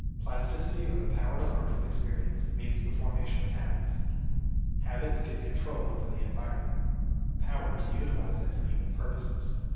Plasticity or the power to learn from experience means the formation of habits. Habits give control over the environment, power to utilize it for human purposes.